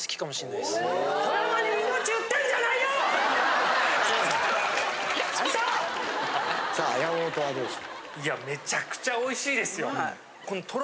いやめちゃくちゃおいしいですよ。